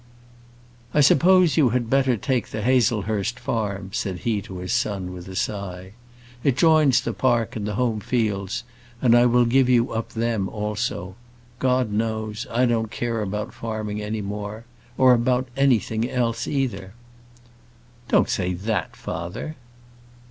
"I suppose you had better take the Hazlehurst farm," said he to his son, with a sigh. "It joins the park and the home fields, and I will give you up them also. God knows, I don't care about farming any more or about anything else either." "Don't say that, father."